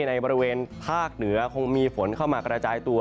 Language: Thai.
ในบริเวณภาคเหนือคงมีฝนเข้ามากระจายตัว